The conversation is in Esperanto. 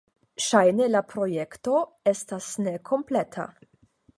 Ŝajne la projekto estas nekompleta.